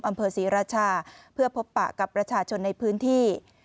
อำเภอศรีราชาเพื่อพบปะกับประชาชนในพื้นที่